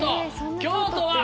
京都は。